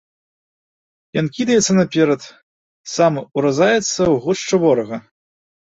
Ён кідаецца наперад, сам уразаецца ў гушчу ворага.